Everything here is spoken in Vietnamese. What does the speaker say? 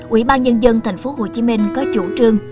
ubnd tp hcm có chủ trương